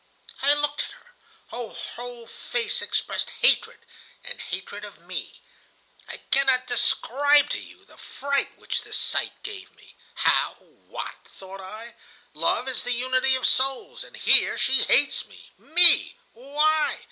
"I looked at her. Her whole face expressed hatred, and hatred of me. I cannot describe to you the fright which this sight gave me. 'How? What?' thought I, 'love is the unity of souls, and here she hates me? Me? Why?